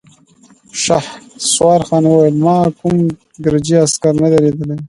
شهسوارخان وويل: ما کوم ګرجۍ عسکر نه دی ليدلی!